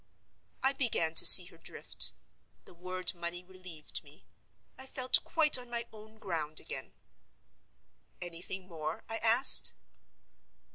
I began to see her drift. The word money relieved me; I felt quite on my own ground again. "Anything more?" I asked.